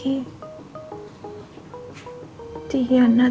dihianatin sama temen aku sendiri